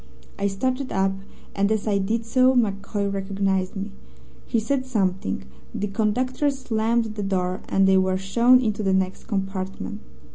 I started up, and as I did so MacCoy recognized me. He said something, the conductor slammed the door, and they were shown into the next compartment.